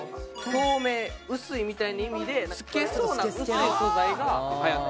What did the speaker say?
透明薄いみたいな意味で透けそうな薄い素材が流行ってるそうです